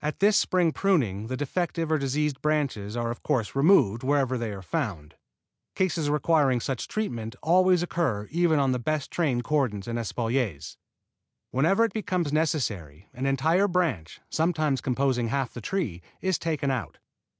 At this spring pruning the defective or diseased branches are of course removed wherever they are found. Cases requiring such treatment always occur even on the best trained cordons and espaliers. Whenever it becomes necessary an entire branch, sometimes composing half the tree, is taken out.